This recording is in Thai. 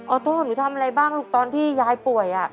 โต้หนูทำอะไรบ้างลูกตอนที่ยายป่วย